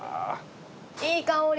いい香り！